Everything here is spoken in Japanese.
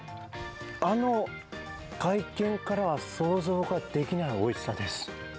あの外見からは想像ができないおいしさです。